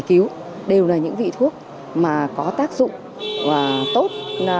điện kiếu đều là những vị thuốc mà có tác dụng và tốt